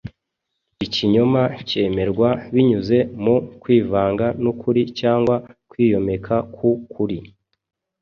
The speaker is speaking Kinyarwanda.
Ikinyoma cyemerwa binyuze mu kwivanga n’ukuri cyangwa kwiyomeka ku kuri.